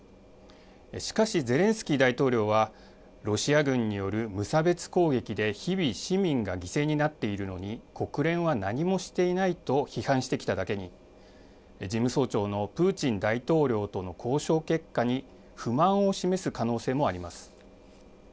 しかし、ゼレンスキー大統領は、ロシア軍による無差別攻撃で日々市民が犠牲になっているのに、国連は何もしていないと批判してきただけに、事務総長のプーチン大統領との交渉結果に不満を示す可能性もあります。